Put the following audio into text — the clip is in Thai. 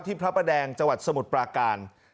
พระประแดงจังหวัดสมุทรปราการ